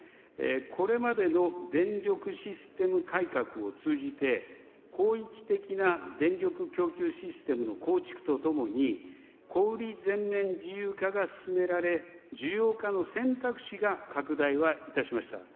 これまでの電力システム改革を通じて、広域的な電力供給システムの構築とともに、小売り全面自由化が進められ、需要家の選択肢が拡大はいたしました。